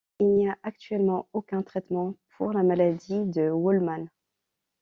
Il n'y a actuellement aucun traitement pour la maladie de Wolman.